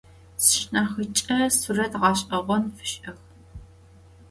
Sşşınahıç'e suret ğeş'eğon fiş'ığ.